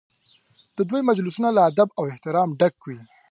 د دوی مجلسونه له ادب او احترامه ډک وي.